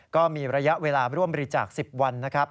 ก็มีระยะเวลาร่วมบริจาค๑๐วันนะครับ